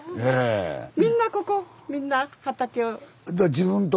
みんなここみんな畑を。